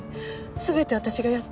全て私がやったの。